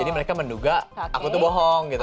jadi mereka menduga aku tuh bohong gitu